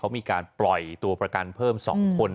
เขามีการปล่อยตัวประกันเพิ่ม๒คน